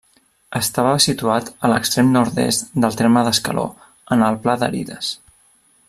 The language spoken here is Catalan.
Estava situat a l'extrem nord-est del terme d'Escaló, en el Pla d'Arides.